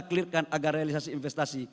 clear kan agar realisasi investasi